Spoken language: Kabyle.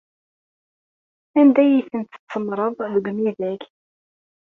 Anda ay tent-tsemmṛeḍ deg umidag?